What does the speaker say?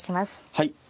はい。